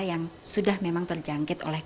yang sudah memang terjangkit oleh